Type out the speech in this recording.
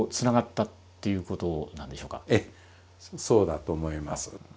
ええそうだと思います。